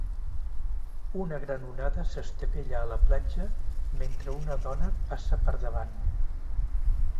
Una gran onada s'estavella a la platja mentre una dona passa per davant.